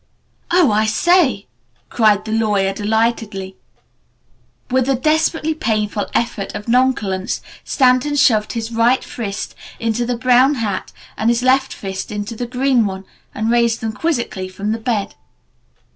"Oh, I say!" cried the lawyer delightedly. With a desperately painful effort at nonchalance, Stanton shoved his right fist into the brown hat and his left fist into the green one, and raised them quizzically from the bed.